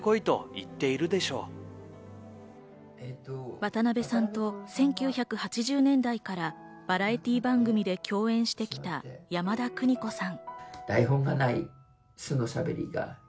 渡辺さんと１９８０年代からバラエティー番組で共演してきた山田邦子さん。